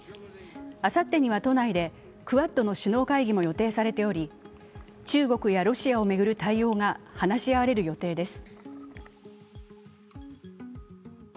あさってには、都内でクアッドの首脳会議も予定されており中国やロシアを巡る対応が話し合われる予定です。